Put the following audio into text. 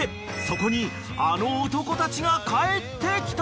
［そこにあの男たちが帰ってきた］